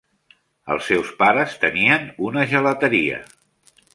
Els seus pares tenien una gelateria.